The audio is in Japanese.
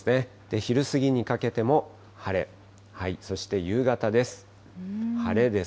昼過ぎにかけても晴れ、そして夕方です。